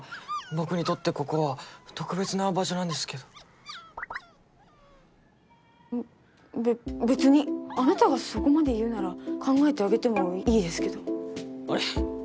僕にとってここは特別な場所なんですけどべっ別にあなたがそこまで言うなら考えてあげてもいいですけどあれ？